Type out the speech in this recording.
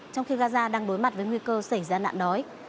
trong khi gaza đang đối mặt với nguy cơ xảy ra nạn đói